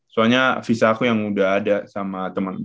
soalnya v shock aku yang udah ada sama temen